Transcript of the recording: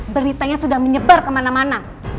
beritanya sudah menyebar kemana mana